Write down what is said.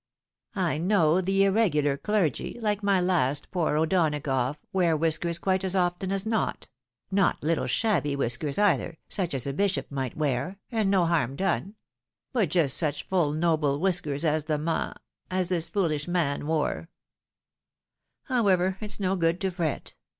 I know the irregular clergy, like my last poor O'Donagough, 64 THE WIDOW MAKRIED. wear whiskers quite as often as not — not little shabby whiskers either, such as a bishop might wear, and no harm done — ^but just such full noble looking whiskers as the Ma — as this foolish man wore ; however, it's no good to fret.